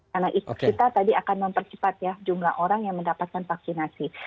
karena kita tadi akan mempercepat ya jumlah orang yang mendapatkan vaksinasi